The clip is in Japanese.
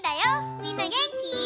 みんなげんき？